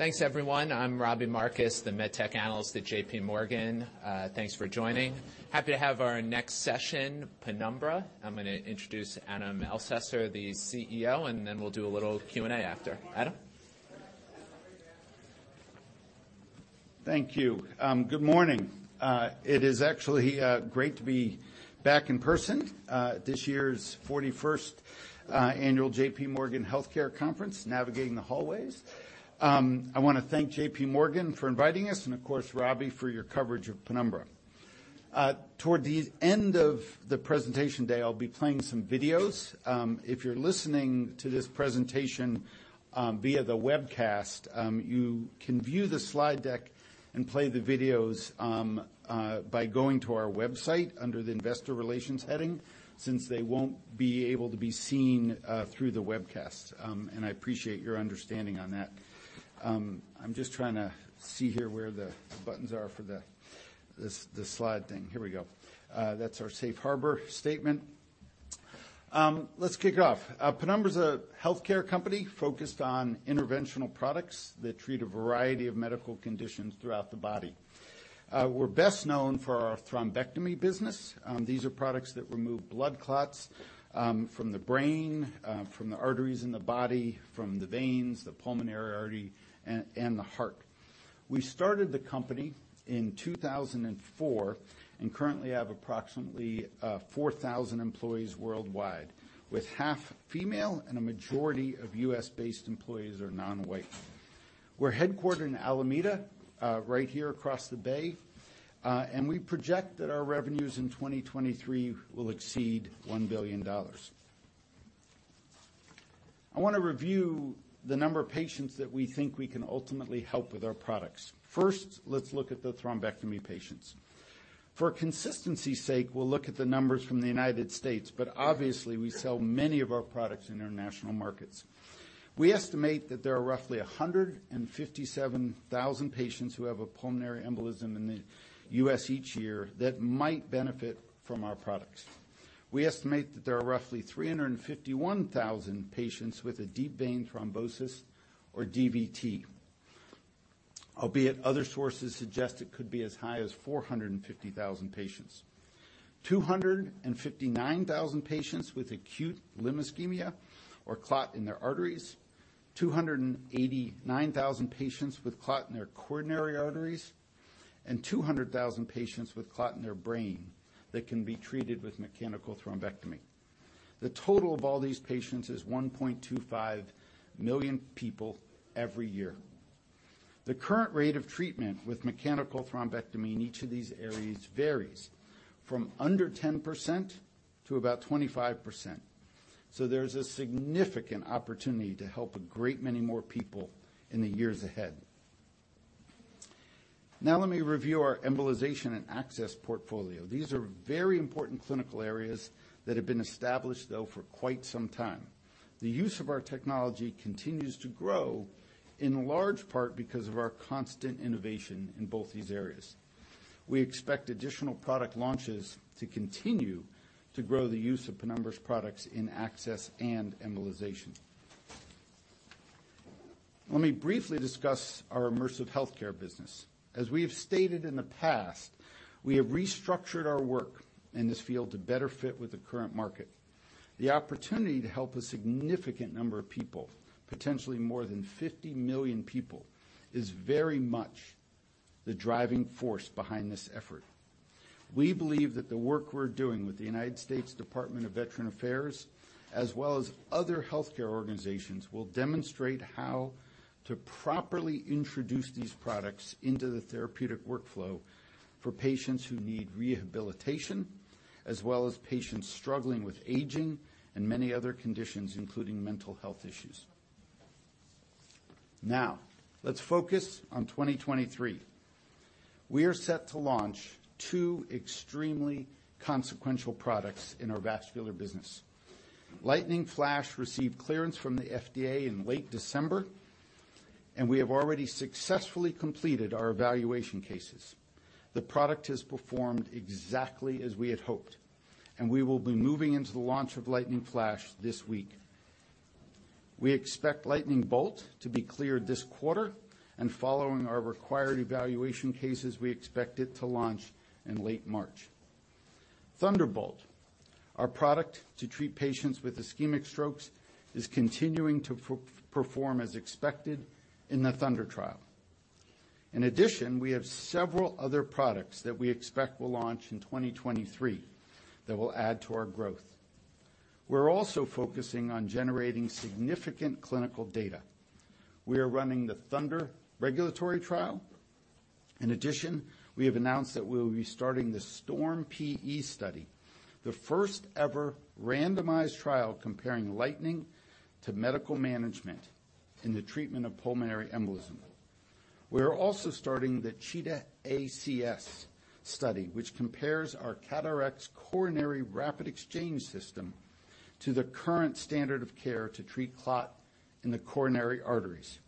Thanks everyone. I'm Robbie Marcus, the Med Tech Analyst at JPMorgan. Thanks for joining. Happy to have our next session, Penumbra. I'm gonna introduce Adam Elsesser, the CEO, and then we'll do a little Q&A after. Adam. Thank you. Good morning. It is actually great to be back in person, this year's 41st annual JPMorgan Healthcare Conference, navigating the hallways. I want to thank JPMorgan for inviting us, and of course, Robbie, for your coverage of Penumbra. Toward the end of the presentation today, I'll be playing some videos. If you're listening to this presentation via the webcast, you can view the slide deck and play the videos by going to our website under the Investor Relations heading, since they won't be able to be seen through the webcast. I appreciate your understanding on that. I'm just trying to see here where the buttons are for the slide thing. Here we go. That's our safe harbor statement. Let's kick off. Penumbra's a healthcare company focused on interventional products that treat a variety of medical conditions throughout the body. We're best known for our thrombectomy business. These are products that remove blood clots from the brain, from the arteries in the body, from the veins, the pulmonary artery, and the heart. We started the company in 2004, and currently have approximately 4,000 employees worldwide, with half female and a majority of U.S.-based employees are non-white. We're headquartered in Alameda, right here across the Bay, and we project that our revenues in 2023 will exceed $1 billion. I wanna review the number of patients that we think we can ultimately help with our products. First, let's look at the thrombectomy patients. For consistency's sake, we'll look at the numbers from the United States. Obviously, we sell many of our products in international markets. We estimate that there are roughly 157,000 patients who have a pulmonary embolism in the U.S. each year that might benefit from our products. We estimate that there are roughly 351,000 patients with a deep vein thrombosis or DVT, albeit other sources suggest it could be as high as 450,000 patients. 259,000 patients with acute limb ischemia or clot in their arteries. 289,000 patients with clot in their coronary arteries, and 200,000 patients with clot in their brain that can be treated with mechanical thrombectomy. The total of all these patients is 1.25 million people every year. The current rate of treatment with mechanical thrombectomy in each of these areas varies from under 10% to about 25%. There's a significant opportunity to help a great many more people in the years ahead. Let me review our embolization and access portfolio. These are very important clinical areas that have been established, though, for quite some time. The use of our technology continues to grow in large part because of our constant innovation in both these areas. We expect additional product launches to continue to grow the use of Penumbra's products in access and embolization. Let me briefly discuss our immersive healthcare business. As we have stated in the past, we have restructured our work in this field to better fit with the current market. The opportunity to help a significant number of people, potentially more than 50 million people, is very much the driving force behind this effort. We believe that the work we're doing with the U.S. Department of Veterans Affairs, as well as other healthcare organizations, will demonstrate how to properly introduce these products into the therapeutic workflow for patients who need rehabilitation, as well as patients struggling with aging and many other conditions, including mental health issues. Let's focus on 2023. We are set to launch two extremely consequential products in our vascular business. Lightning Flash received clearance from the FDA in late December, and we have already successfully completed our evaluation cases. The product has performed exactly as we had hoped, and we will be moving into the launch of Lightning Flash this week. We expect Lightning Bolt to be cleared this quarter, and following our required evaluation cases, we expect it to launch in late March. Thunderbolt, our product to treat patients with ischemic strokes, is continuing to perform as expected in the Thunder trial. We have several other products that we expect will launch in 2023 that will add to our growth. We're also focusing on generating significant clinical data. We are running the Thunder regulatory trial. We have announced that we will be starting the STORM-PE study, the first-ever randomized trial comparing Lightning to medical management in the treatment of pulmonary embolism. We are also starting the CHEETAH ACS study, which compares our CAT RX coronary rapid exchange system to the current standard of care to treat clot in the coronary arteries.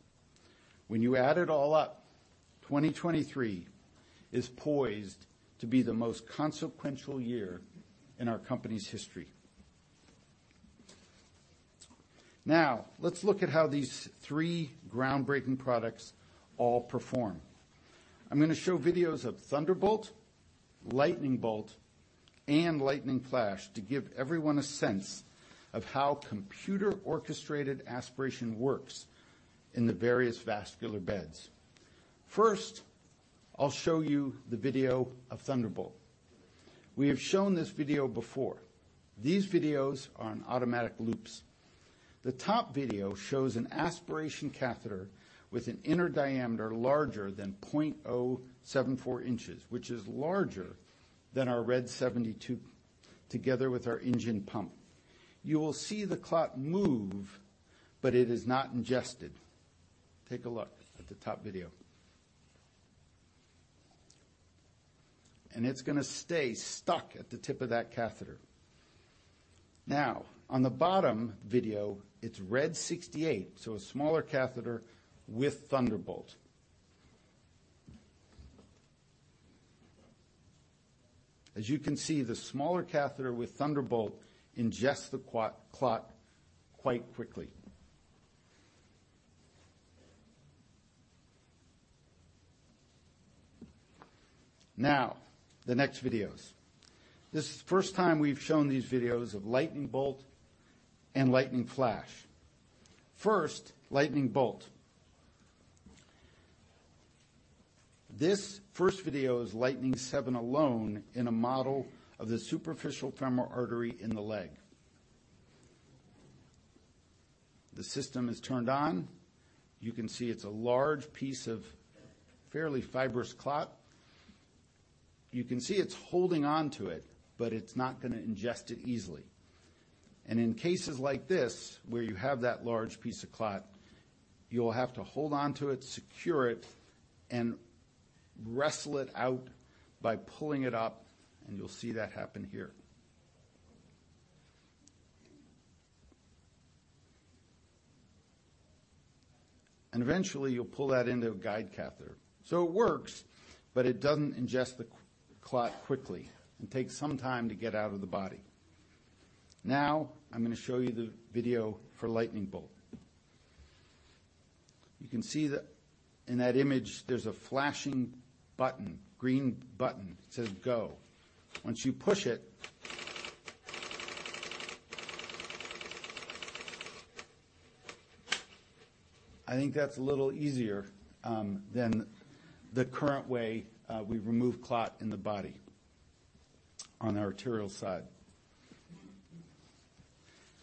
When you add it all up, 2023 is poised to be the most consequential year in our company's history. Let's look at how these three groundbreaking products all perform. I'm gonna show videos of Thunderbolt, Lightning Bolt, and Lightning Flash to give everyone a sense of how computer-orchestrated aspiration works in the various vascular beds. First, I'll show you the video of Thunderbolt. We have shown this video before. These videos are on automatic loops. The top video shows an aspiration catheter with an inner diameter larger than 0.074 inches, which is larger than our RED 72 together with our engine pump. You will see the clot move, but it is not ingested. Take a look at the top video. It's gonna stay stuck at the tip of that catheter. On the bottom video, it's RED 68, so a smaller catheter with Thunderbolt. As you can see, the smaller catheter with Thunderbolt ingests the clot quite quickly. The next videos. This is the first time we've shown these videos of Lightning Bolt and Lightning Flash. First, Lightning Bolt. This first video is Lightning 7 alone in a model of the superficial femoral artery in the leg. The system is turned on. You can see it's a large piece of fairly fibrous clot. You can see it's holding onto it, but it's not gonna ingest it easily. In cases like this, where you have that large piece of clot, you'll have to hold onto it, secure it, and wrestle it out by pulling it up, and you'll see that happen here. Eventually, you'll pull that into a guide catheter. It works, but it doesn't ingest the clot quickly. It takes some time to get out of the body. I'm gonna show you the video for Lightning Bolt. You can see in that image, there's a flashing button, green button, it says Go. Once you push it, I think that's a little easier than the current way we remove clot in the body on the arterial side.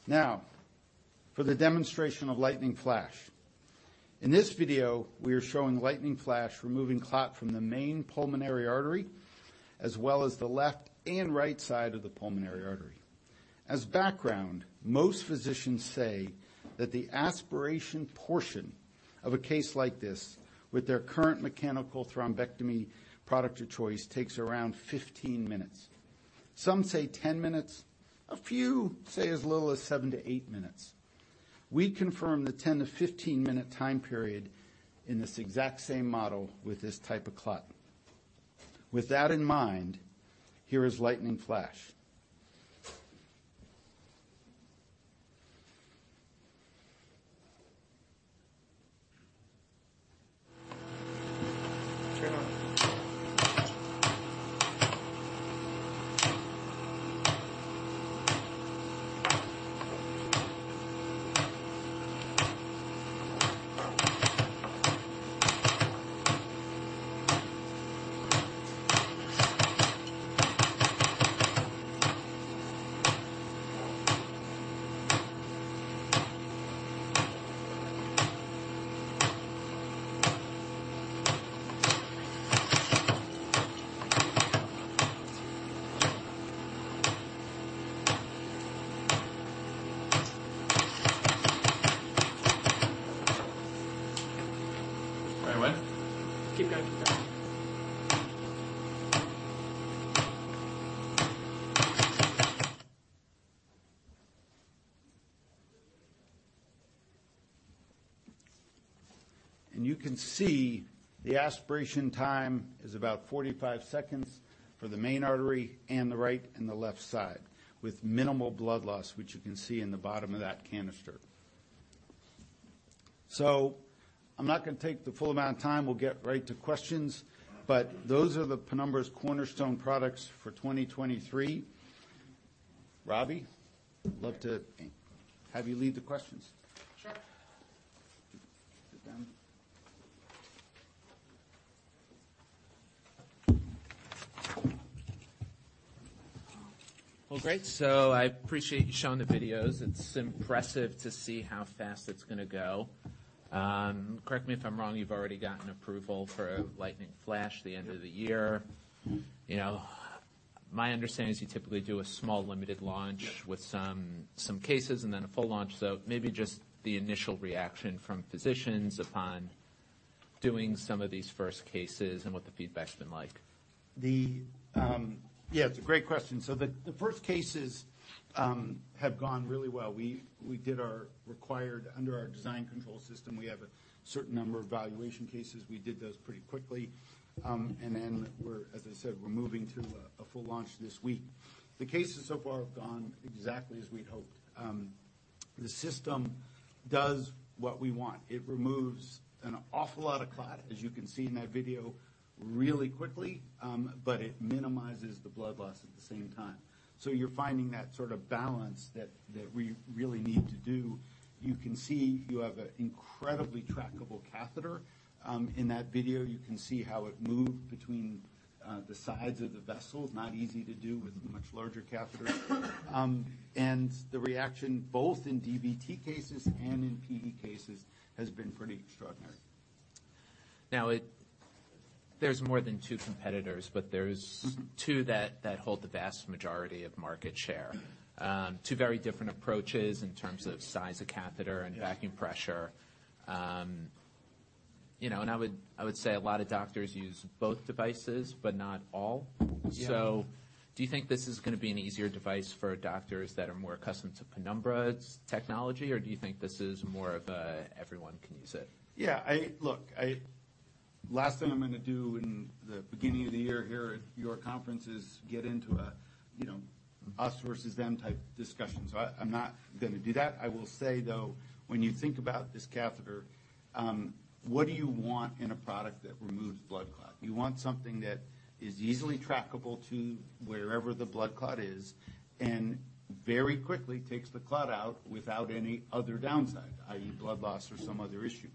For the demonstration of Lightning Flash. In this video, we are showing Lightning Flash removing clot from the main pulmonary artery, as well as the left and right side of the pulmonary artery. As background, most physicians say that the aspiration portion of a case like this with their current mechanical thrombectomy product of choice takes around 15 minutes. Some say 10 minutes. A few say as little as seven to eight minutes. We confirm the 10-15-minute time period in this exact same model with this type of clot. With that in mind, here is Lightning Flash. Turn on. All right, when? Keep going. You can see the aspiration time is about 45 seconds for the main artery and the right and the left side with minimal blood loss, which you can see in the bottom of that canister. I'm not gonna take the full amount of time. We'll get right to questions. Those are the Penumbra's cornerstone products for 2023. Robbie, love to have you lead the questions. Sure. Sit down. Great. I appreciate you showing the videos. It's impressive to see how fast it's gonna go. Correct me if I'm wrong, you've already gotten approval for Lightning Flash the end of the year? Mm-hmm. You know, my understanding is you typically do a small limited launch. Yes. With some cases, and then a full launch. Maybe just the initial reaction from physicians upon doing some of these first cases and what the feedback's been like. Yeah, it's a great question. The first cases have gone really well. We did our required under our design control system. We have a certain number of evaluation cases. We did those pretty quickly. As I said, we're moving to a full launch this week. The cases so far have gone exactly as we'd hoped. The system does what we want. It removes an awful lot of clot, as you can see in that video, really quickly, it minimizes the blood loss at the same time. You're finding that sort of balance that we really need to do. You can see you have an incredibly trackable catheter. In that video, you can see how it moved between the sides of the vessels. Not easy to do with the much larger catheter. The reaction both in DVT cases and in PE cases has been pretty extraordinary. There's more than two competitors, but there's. Mm-hmm. Two that hold the vast majority of market share. Two very different approaches in terms of size of. Yeah. Vacuum pressure. you know, I would say a lot of doctors use both devices, but not all. Yeah. Do you think this is gonna be an easier device for doctors that are more accustomed to Penumbra's technology? Do you think this is more of a everyone can use it? Yeah. Last thing I'm gonna do in the beginning of the year here at your conference is get into a, you know, us versus them type discussion. I'm not gonna do that. I will say, though, when you think about this catheter, what do you want in a product that removes blood clot? You want something that is easily trackable to wherever the blood clot is, and very quickly takes the clot out without any other downside, i.e., blood loss or some other issue.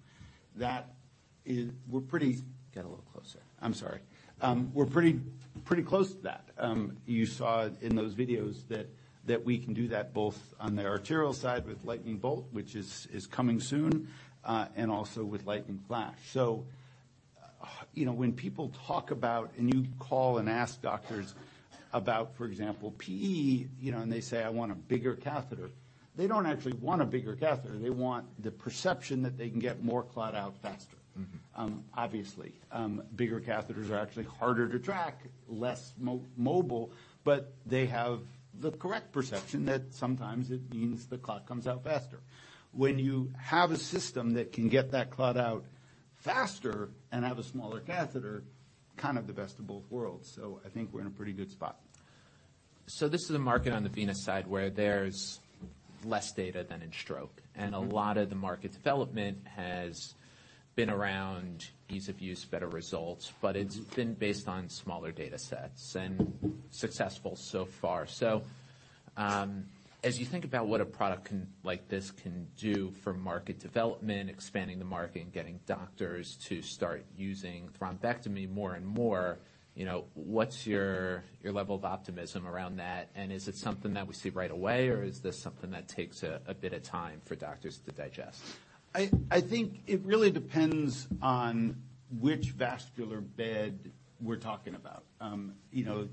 Get a little closer. I'm sorry. We're pretty close to that. You saw in those videos that we can do that both on the arterial side with Lightning Bolt, which is coming soon, and also with Lightning Flash. You know, when people talk about and you call and ask doctors about, for example, PE, you know, and they say, "I want a bigger catheter." They don't actually want a bigger catheter. They want the perception that they can get more clot out faster. Mm-hmm. Obviously, bigger catheters are actually harder to track, less mobile, but they have the correct perception that sometimes it means the clot comes out faster. When you have a system that can get that clot out faster and have a smaller catheter, kind of the best of both worlds. I think we're in a pretty good spot. This is a market on the venous side where there's less data than in stroke. Mm-hmm. A lot of the market development has been around ease of use, better results, but it's been based on smaller data sets and successful so far. As you think about what a product like this can do for market development, expanding the market, and getting doctors to start using thrombectomy more and more, you know, what's your level of optimism around that? Is it something that we see right away, or is this something that takes a bit of time for doctors to digest? I think it really depends on which vascular bed we're talking about. you know,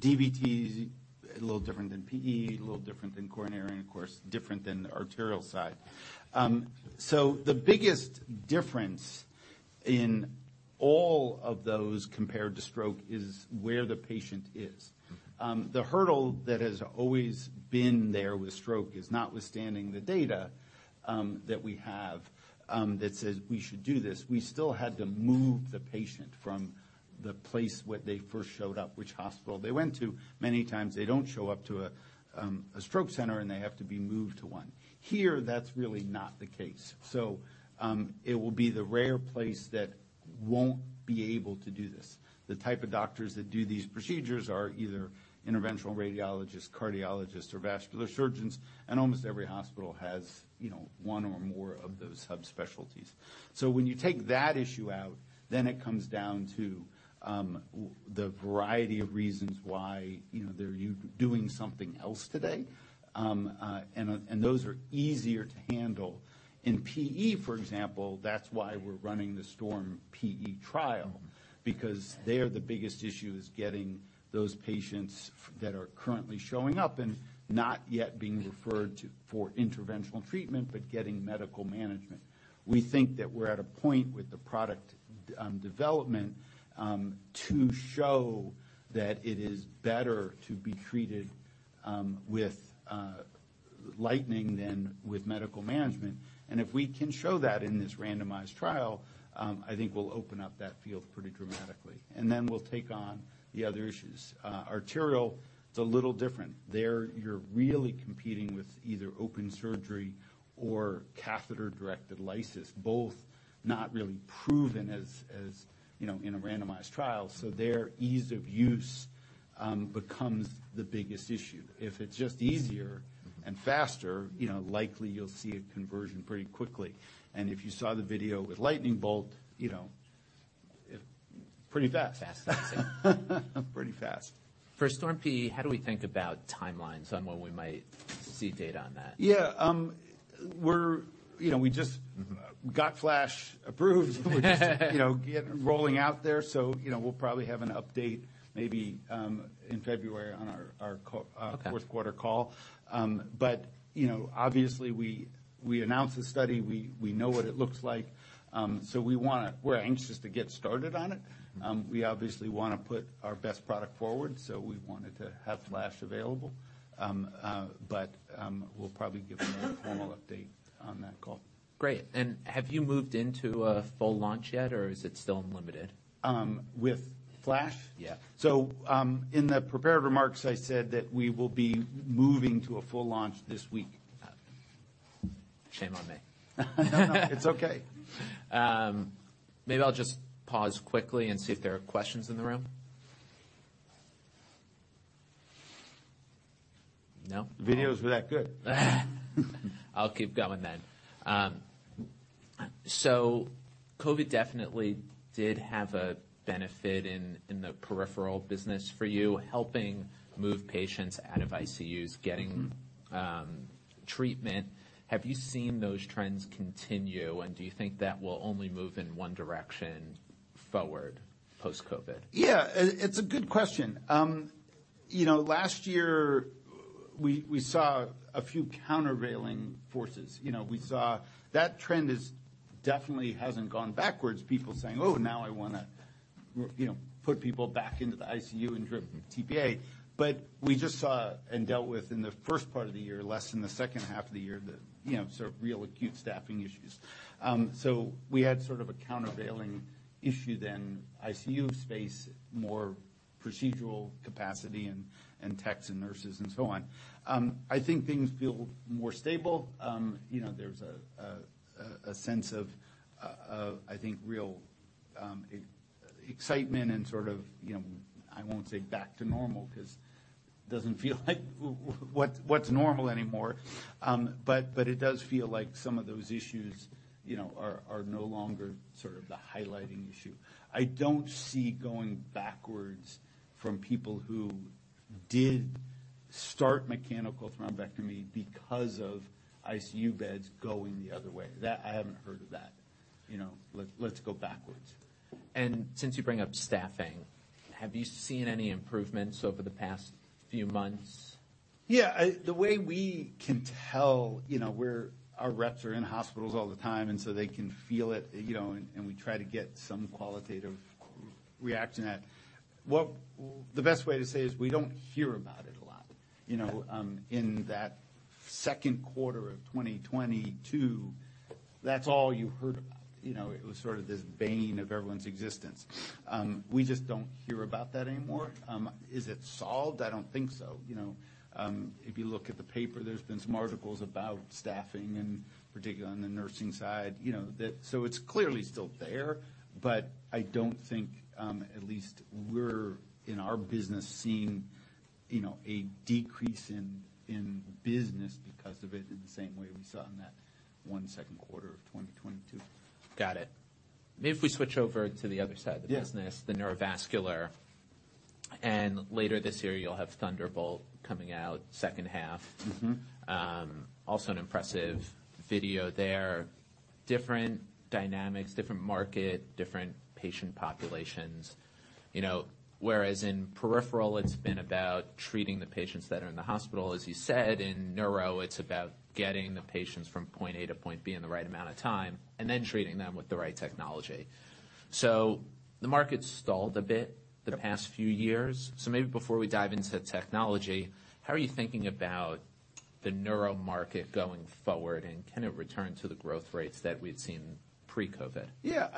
DVT is a little different than PE, a little different than coronary, and of course, different than the arterial side. The biggest difference in all of those compared to stroke is where the patient is. The hurdle that has always been there with stroke is notwithstanding the data that we have that says we should do this. We still had to move the patient from the place where they first showed up, which hospital they went to. Many times they don't show up to a stroke center, and they have to be moved to one. Here, that's really not the case. It will be the rare place that won't be able to do this. The type of doctors that do these procedures are either interventional radiologists, cardiologists, or vascular surgeons. Almost every hospital has, you know, one or more of those subspecialties. When you take that issue out, then it comes down to the variety of reasons why, you know, they're doing something else today. Those are easier to handle. In PE, for example, that's why we're running the STORM-PE trial because there the biggest issue is getting those patients that are currently showing up and not yet being referred to for interventional treatment, but getting medical management. We think that we're at a point with the product development to show that it is better to be treated with Lightning than with medical management. If we can show that in this randomized trial, I think we'll open up that field pretty dramatically. We'll take on the other issues. Arterial, it's a little different. There, you're really competing with either open surgery or catheter-directed lysis, both not really proven as, you know, in a randomized trial. Their ease of use becomes the biggest issue. If it's just easier. Mm-hmm. Faster, you know, likely you'll see a conversion pretty quickly. If you saw the video with Lightning Bolt, you know, it pretty fast. Fast. Pretty fast. For STORM-PE, how do we think about timelines on when we might see data on that? Yeah. We're, you know, we just got Flash approved. We're just, you know, rolling out there, so, you know, we'll probably have an update maybe, in February on our. Okay. Our fourth quarter call. You know, obviously, we announced the study. We, we know what it looks like. We're anxious to get started on it. We obviously wanna put our best product forward, so we wanted to have Flash available. We'll probably give more. Have you moved into a full launch yet, or is it still in limited? With Flash? Yeah. In the prepared remarks, I said that we will be moving to a full launch this week. Shame on me. No, no, it's okay. Maybe I'll just pause quickly and see if there are questions in the room. No? The videos were that good. I'll keep going then. COVID definitely did have a benefit in the peripheral business for you, helping move patients out of ICUs. Mm-hmm Getting, treatment. Have you seen those trends continue, and do you think that will only move in one direction forward post-COVID? Yeah, it's a good question. You know, last year we saw a few countervailing forces. You know, we saw. That trend definitely hasn't gone backwards, people saying, "Oh, now I wanna, you know, put people back into the ICU and drip tPA." We just saw and dealt with in the first part of the year, less in the second half of the year, the, you know, sort of real acute staffing issues. We had sort of a countervailing issue then, ICU space, more procedural capacity, and techs and nurses and so on. I think things feel more stable. You know, there's a sense of, I think, real excitement and sort of, you know, I won't say back to normal 'cause it doesn't feel like what's normal anymore. It does feel like some of those issues, you know, are no longer sort of the highlighting issue. I don't see going backwards from people who did start mechanical thrombectomy because of ICU beds going the other way. That, I haven't heard of that, you know, let's go backwards. Since you bring up staffing, have you seen any improvements over the past few months? Yeah. The way we can tell, you know, our reps are in hospitals all the time, and so they can feel it, you know, and we try to get some qualitative reaction at. The best way to say is we don't hear about it a lot. You know, in that second quarter of 2022, that's all you heard about. You know, it was sort of this bane of everyone's existence. We just don't hear about that anymore. Is it solved? I don't think so. You know, if you look at the paper, there's been some articles about staffing and particularly on the nursing side, you know, that. It's clearly still there, but I don't think, at least we're in our business seeing, you know, a decrease in business because of it in the same way we saw in that one, second quarter of 2022. Got it. If we switch over to the other side of the business. Yeah The neurovascular. Later this year, you'll have Thunderbolt coming out second half. Mm-hmm. Also an impressive video there. Different dynamics, different market, different patient populations. You know, whereas in peripheral it's been about treating the patients that are in the hospital, as you said, in neuro it's about getting the patients from point A to point B in the right amount of time, and then treating them with the right technology. The market's stalled a bit. Yep The past few years. Maybe before we dive into technology, how are you thinking about the neuro market going forward and can it return to the growth rates that we'd seen pre-COVID? Yeah.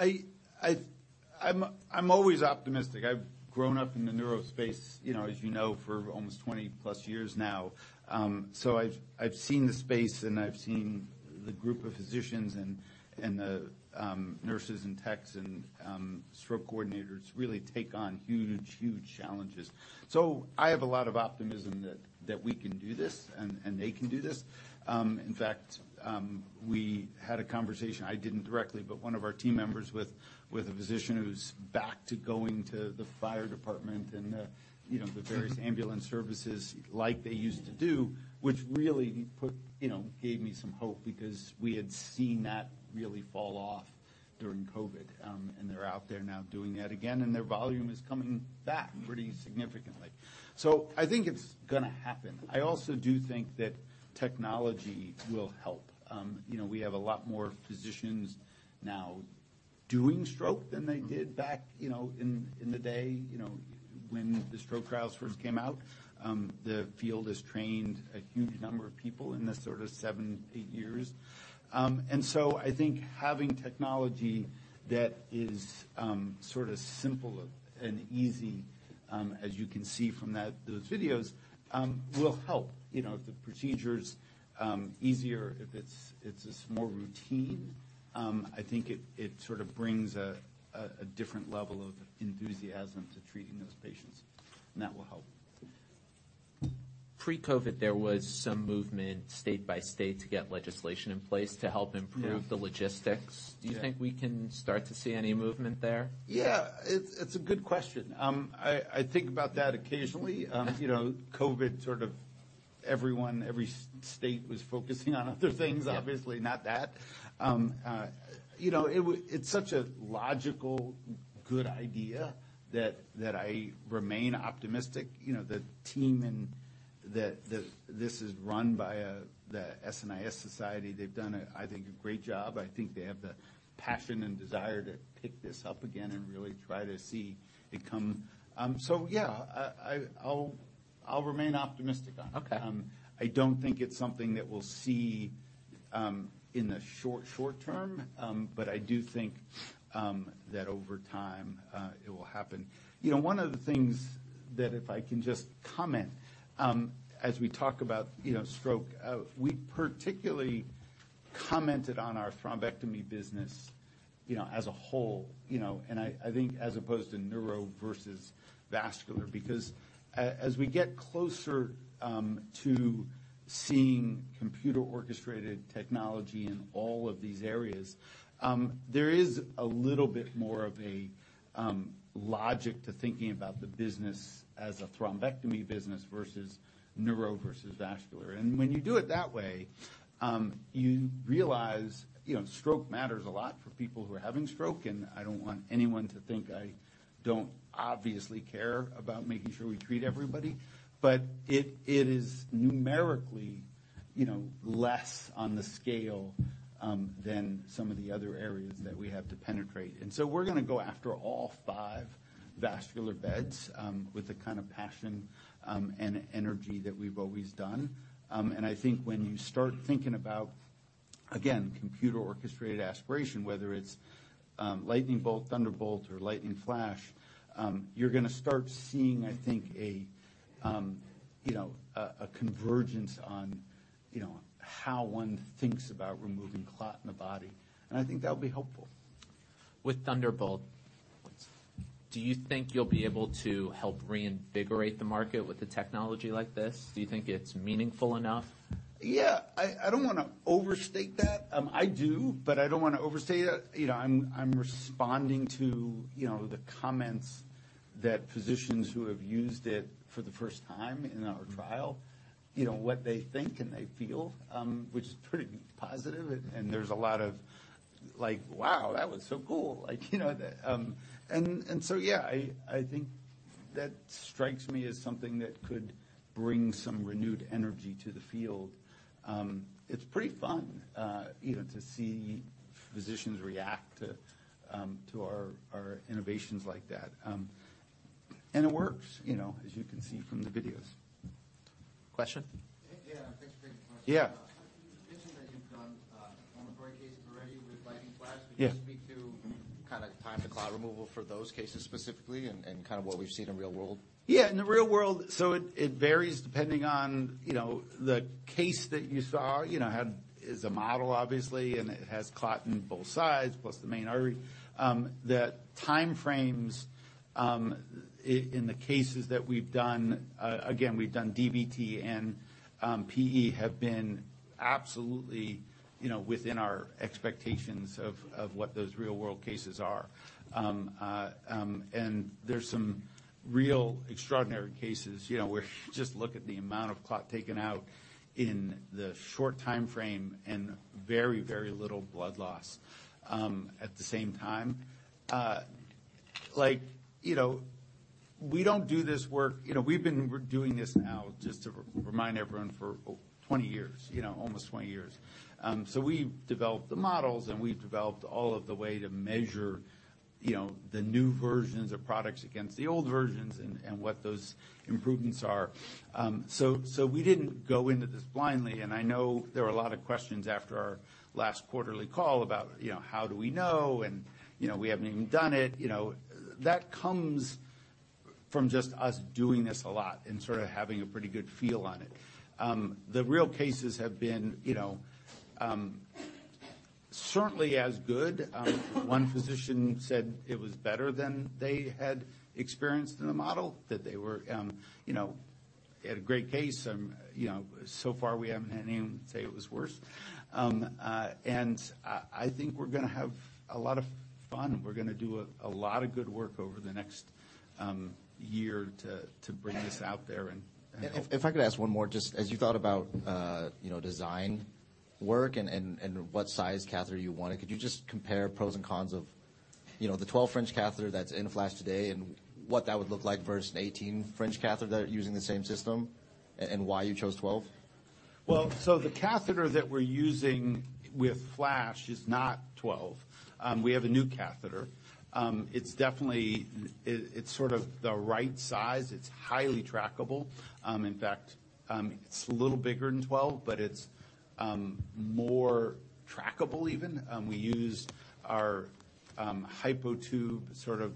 I'm always optimistic. I've grown up in the neuro space, you know, as you know, for almost 20+ years now. I've seen the space and I've seen the group of physicians and the nurses and techs and stroke coordinators really take on huge challenges. I have a lot of optimism that we can do this and they can do this. In fact, we had a conversation, I didn't directly, but one of our team members with a physician who's back to going to the fire department and the, you know, the various ambulance services like they used to do, which really gave me some hope because we had seen that really fall off during COVID. They're out there now doing that again, and their volume is coming back pretty significantly. I think it's gonna happen. I also do think that technology will help. You know, we have a lot more physicians now doing stroke than they did back, you know, in the day, you know, when the stroke trials first came out. The field has trained a huge number of people in this sort of seven, eight years. I think having technology that is, sort of simple and easy, as you can see from that, those videos, will help, you know, the procedures easier if it's just more routine. I think it sort of brings a different level of enthusiasm to treating those patients, and that will help. Pre-COVID, there was some movement state by state to get legislation in place to help improve. Yeah. The logistics. Yeah. Do you think we can start to see any movement there? Yeah. It's a good question. I think about that occasionally. You know, COVID sort of, everyone, every state was focusing on other things. Yeah obviously not that. you know, it's such a logical, good idea that I remain optimistic. You know. This is run by the SNIS Society. They've done a, I think, a great job. I think they have the passion and desire to pick this up again and really try to see it come. yeah, I'll remain optimistic on it. Okay. I don't think it's something that we'll see in the short term. I do think that over time, it will happen. You know, one of the things that if I can just comment, as we talk about, you know, stroke, we particularly commented on our thrombectomy business, you know, as a whole, you know, and I think as opposed to neuro versus vascular because as we get closer, to seeing computer-orchestrated technology in all of these areas, there is a little bit more of a logic to thinking about the business as a thrombectomy business versus neuro versus vascular. When you do it that way, you realize, you know, stroke matters a lot for people who are having stroke, and I don't want anyone to think I don't obviously care about making sure we treat everybody. It, it is numerically, you know, less on the scale than some of the other areas that we have to penetrate. We're gonna go after all five vascular beds with the kind of passion and energy that we've always done. I think when you start thinking about, again, computer-orchestrated aspiration, whether it's Lightning Bolt, Thunderbolt or Lightning Flash, you're gonna start seeing, I think, a, you know, a convergence on, you know, how one thinks about removing clot in the body, and I think that'll be helpful. With Thunderbolt. Yes. Do you think you'll be able to help reinvigorate the market with the technology like this? Do you think it's meaningful enough? Yeah. I don't wanna overstate that. I do, but I don't wanna overstate it. You know, I'm responding to, you know, the comments that physicians who have used it for the first time in our trial, you know, what they think and they feel, which is pretty positive and there's a lot of like, "Wow, that was so cool." Like, you know, that. Yeah, I think that strikes me as something that could bring some renewed energy to the field. It's pretty fun, you know, to see physicians react to our innovations like that. It works, you know, as you can see from the videos. Question? Yeah. Thanks for taking the question. Yeah. You mentioned that you've done, preliminary cases already with Lightning Flash. Yeah. Could you speak to kinda time to clot removal for those cases specifically and kind of what we've seen in real world? Yeah. In the real world, it varies depending on, you know, the case that you saw, you know, is a model obviously, and it has clot in both sides, plus the main artery. The timeframes, in the cases that we've done, again, we've done DVT and PE have been absolutely, you know, within our expectations of what those real world cases are. There's some real extraordinary cases, you know, where if you just look at the amount of clot taken out in the short timeframe and very, very little blood loss, at the same time. Like, you know, we don't do this work. You know, we've been doing this now, just to remind everyone, for 20 years. You know, almost 20 years. We've developed the models, and we've developed all of the way to measure, you know, the new versions of products against the old versions and what those improvements are. We didn't go into this blindly, and I know there were a lot of questions after our last quarterly call about, you know, how do we know? You know, we haven't even done it, you know. That comes from just us doing this a lot and sort of having a pretty good feel on it. The real cases have been, you know, certainly as good. One physician said it was better than they had experienced in the model, that they were, you know, they had a great case. You know, so far we haven't had anyone say it was worse. I think we're gonna have a lot of fun. We're gonna do a lot of good work over the next year to bring this out there. If I could ask one more, just as you thought about, you know, design work and what size catheter you wanted, could you just compare pros and cons of, you know, the 12 French catheter that's in Flash today and what that would look like versus an 18 French catheter that are using the same system, and why you chose 12? The catheter that we're using with Flash is not 12. We have a new catheter. It's definitely, it's sort of the right size. It's highly trackable. In fact, it's a little bigger than 12, but it's more trackable even. We used our hypotube sort of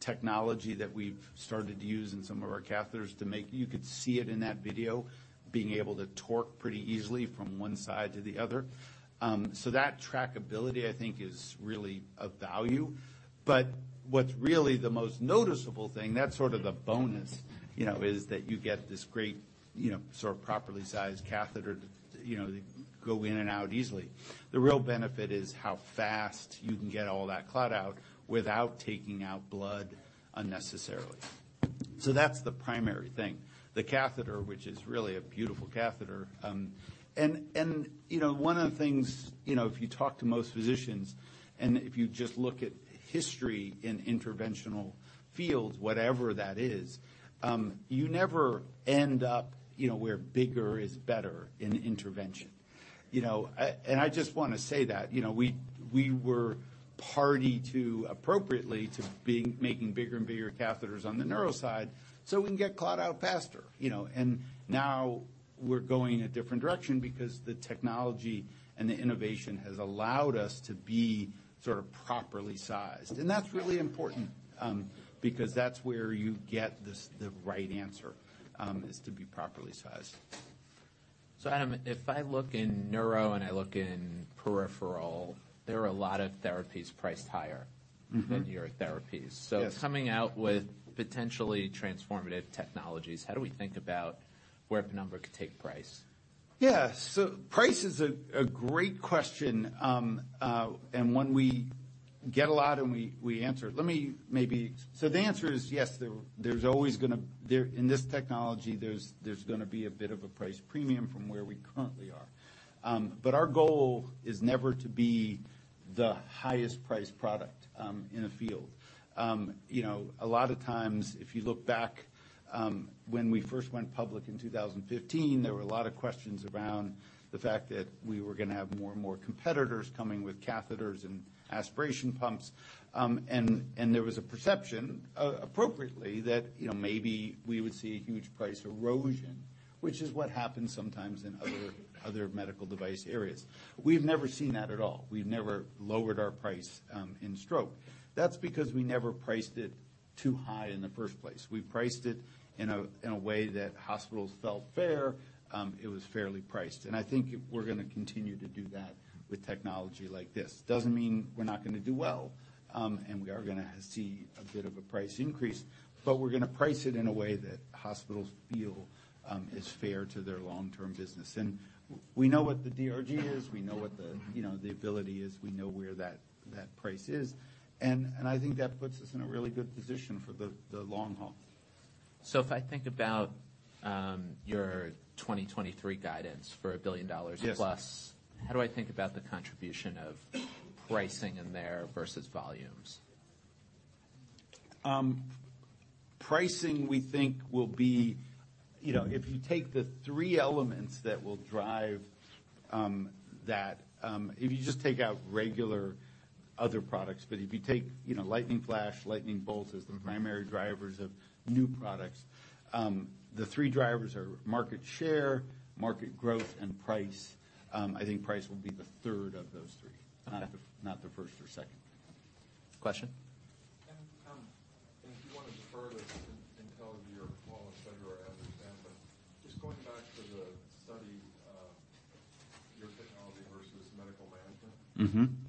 technology that we've started to use in some of our catheters to make. You could see it in that video, being able to torque pretty easily from one side to the other. That trackability, I think, is really of value. What's really the most noticeable thing, that's sort of the bonus, you know, is that you get this great, you know, sort of properly sized catheter to, you know, go in and out easily. The real benefit is how fast you can get all that clot out without taking out blood unnecessarily. That's the primary thing. The catheter, which is really a beautiful catheter, you know, one of the things, you know, if you talk to most physicians, and if you just look at history in interventional fields, whatever that is, you never end up, you know, where bigger is better in intervention. You know, I just wanna say that, you know, we were party to appropriately to making bigger and bigger catheters on the neuro side so we can get clot out faster, you know? Now we're going a different direction because the technology and the innovation has allowed us to be sort of properly sized. That's really important, because that's where you get this, the right answer, is to be properly sized. Adam, if I look in neuro and I look in peripheral, there are a lot of therapies priced higher. Mm-hmm. Than your therapies. Yes. Coming out with potentially transformative technologies, how do we think about where Penumbra could take price? Price is a great question. One we get a lot, and we answer it. The answer is yes, there's always gonna, in this technology, there's gonna be a bit of a price premium from where we currently are. Our goal is never to be the highest priced product in a field. You know, a lot of times, if you look back, when we first went public in 2015, there were a lot of questions around the fact that we were gonna have more and more competitors coming with catheters and aspiration pumps. There was a perception appropriately that, you know, maybe we would see a huge price erosion, which is what happens sometimes in other medical device areas. We've never seen that at all. We've never lowered our price in stroke. That's because we never priced it too high in the first place. We priced it in a way that hospitals felt fair, it was fairly priced. I think we're gonna continue to do that with technology like this. Doesn't mean we're not gonna do well, and we are gonna see a bit of a price increase, but we're gonna price it in a way that hospitals feel is fair to their long-term business. We know what the DRG is. We know what the, you know, the ability is. We know where that price is and I think that puts us in a really good position for the long haul. if I think about, your 2023 guidance for $1 billion plus. Yes. How do I think about the contribution of pricing in there versus volumes? Pricing, we think, will be, you know, if you take the three elements that will drive that, if you just take out regular other products, if you take, you know, Lightning Flash, Lightning Bolt as the primary drivers of new products, the three drivers are market share, market growth, and price. I think price will be the third of those three. Okay. Not the, not the first or second. Question? If you wanna defer this until your call in February, I understand. Just going back to the study of your technology versus medical management. Mm-hmm. Can you just comment on the primary endpoint and the key secondary endpoint and just a sense of what the field would see as materially. Yeah. Clinically relevant? What and, and just-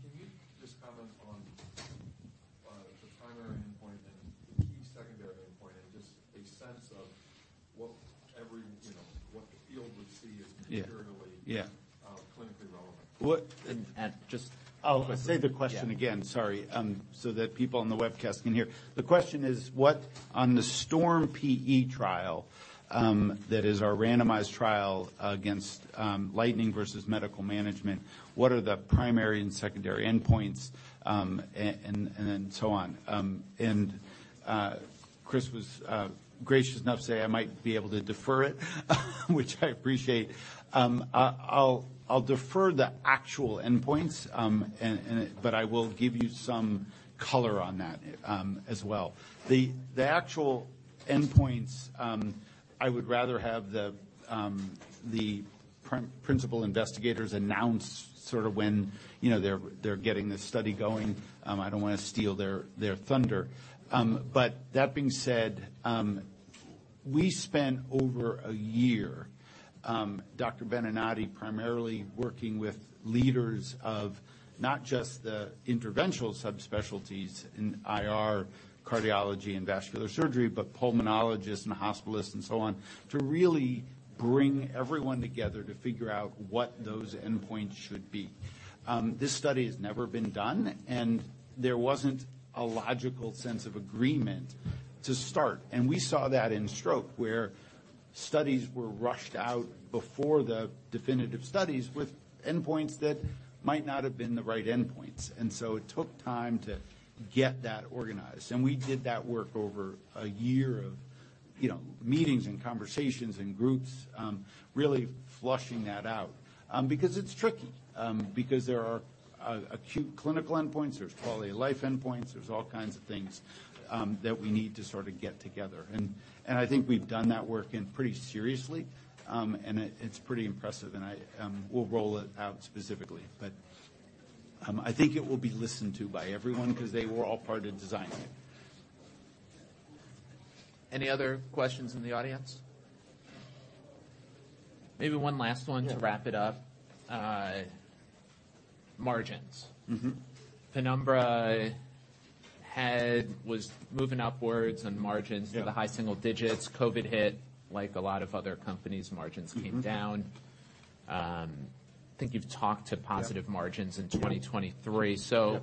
I'll say the question again. Yeah. Sorry. That people on the webcast can hear. The question is, On the STORM-PE trial, that is our randomized trial against Lightning versus medical management, what are the primary and secondary endpoints, and then so on? Chris was gracious enough to say I might be able to defer it, which I appreciate. I'll defer the actual endpoints. I will give you some color on that as well. The actual endpoints, I would rather have the principal investigators announce sort of when, you know, they're getting the study going. I don't wanna steal their thunder. That being said, we spent over a year, Dr. Benenati primarily working with leaders of not just the interventional subspecialties in IR cardiology and vascular surgery, but pulmonologists and hospitalists and so on, to really bring everyone together to figure out what those endpoints should be. This study has never been done, and there wasn't a logical sense of agreement to start. We saw that in stroke, where studies were rushed out before the definitive studies with endpoints that might not have been the right endpoints. It took time to get that organized. We did that work over a year of, you know, meetings and conversations and groups, really flushing that out. Because it's tricky, because there are acute clinical endpoints, there's quality of life endpoints, there's all kinds of things that we need to sort of get together. I think we've done that work and pretty seriously. It's pretty impressive, and I, we'll roll it out specifically. I think it will be listened to by everyone because they were all part of designing it. Any other questions in the audience? Maybe one last one. Yeah. To wrap it up. margins. Mm-hmm. Penumbra was moving upwards on margins. Yeah. To the high single digits. COVID hit, like a lot of other companies, margins came down. Mm-hmm. I think you've talked to positive margins in 2023. Yeah.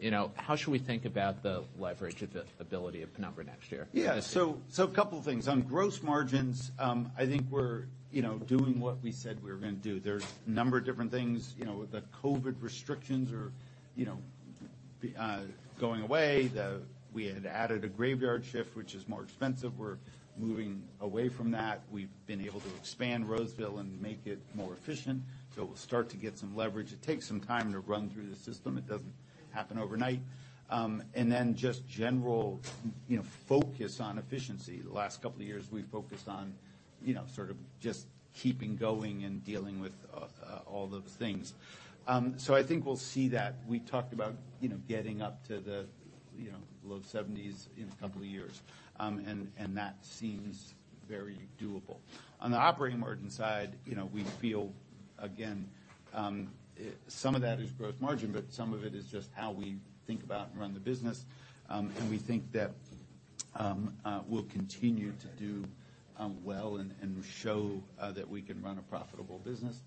You know, how should we think about the leverage or the ability of Penumbra next year? A couple things. On gross margins, I think we're, you know, doing what we said we were gonna do. There's a number of different things, you know, the COVID restrictions are, you know, going away. We had added a graveyard shift, which is more expensive. We're moving away from that. We've been able to expand Roseville and make it more efficient, so we'll start to get some leverage. It takes some time to run through the system. It doesn't happen overnight. Just general, you know, focus on efficiency. The last couple of years, we've focused on, you know, sort of just keeping going and dealing with all the things. I think we'll see that. We talked about, you know, getting up to the, you know, low 70s in a couple of years. That seems very doable. On the operating margin side, you know, we feel, again, some of that is gross margin, but some of it is just how we think about and run the business. We think that we'll continue to do well and show that we can run a profitable business.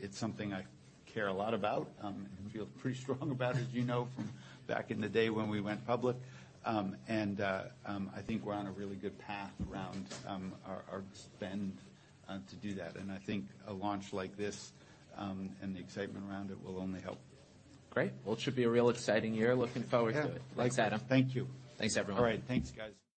It's something I care a lot about and feel pretty strong about as you know from back in the day when we went public. I think we're on a really good path around our spend to do that. I think a launch like this and the excitement around it will only help. Great. Well, it should be a real exciting year. Looking forward to it. Yeah. Thanks, Adam. Thank you. Thanks, everyone. All right. Thanks, guys.